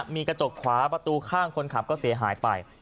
มีกระจกขวาประตูข้างคนขับก็เสียหายไป